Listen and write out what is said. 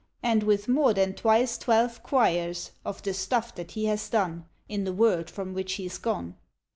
And with more than twice twelve quires Of the stufF that he has done In the world from which he's gone.